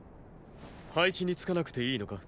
配置につかなくていいのか？